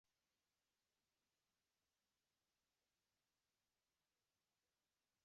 Fue una inmensa sorpresa para muchos de sus fans.